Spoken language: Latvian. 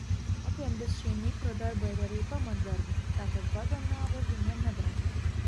Abiem bez šī mikrodarba ir arī pamatdarbi, tātad bada nāve viņiem nedraud.